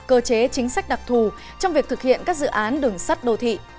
cơ chế chính sách đặc thù trong việc thực hiện các dự án đường sắt đô thị